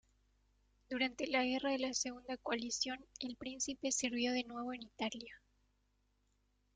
Durante la Guerra de la Segunda Coalición, el príncipe sirvió de nuevo en Italia.